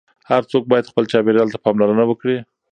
هر څوک باید خپل چاپیریال ته پاملرنه وکړي.